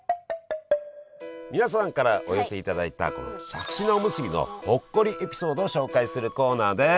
皆さんからお寄せいただいたこのしゃくし菜おむすびのほっこりエピソードを紹介するコーナーです！